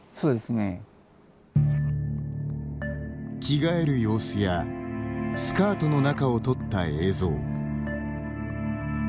着替える様子やスカートの中を撮った映像。